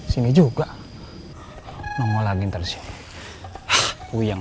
sini juga nongol lagi tersenyum huyang